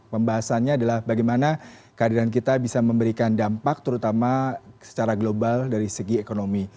pembahasannya adalah bagaimana kehadiran kita bisa memberikan dampak terutama secara global dari segi ekonomi